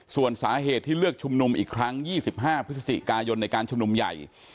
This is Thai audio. ส่วนสาเหตุที่เลือกชุมนุมอีกครั้ง๒๕พฤศจิกายนในการชุมนุมใหญ่